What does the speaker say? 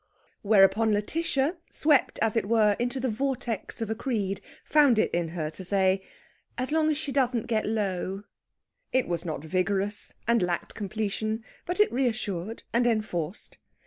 Whereupon Lætitia, swept, as it were, into the vortex of a creed, found it in her to say, "As long as she doesn't get low." It was not vigorous, and lacked completion, but it reassured and enforced.